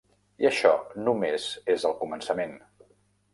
I això només és el començament.